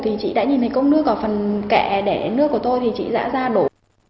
thì chị đã nhìn thấy công nước ở phần kẹ đẻ nước của tôi thì chị đã ra đổ